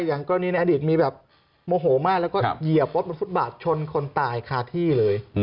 อย่างกรณีในอดีตมีแบบโมโหมากแล้วก็เหยียบรถบนฟุตบาทชนคนตายคาที่เลย